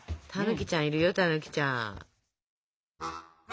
たぬきちゃんいるよたぬきちゃん。